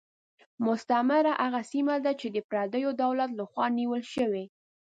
مستعمره هغه سیمه ده چې د پردیو دولت له خوا نیول شوې.